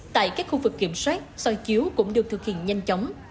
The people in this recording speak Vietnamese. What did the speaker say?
tại các khu vực kiểm soát soi chiếu cũng được thực hiện nhanh chóng